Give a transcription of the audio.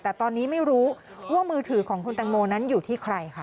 แต่ตอนนี้ไม่รู้ว่ามือถือของคุณตังโมนั้นอยู่ที่ใครค่ะ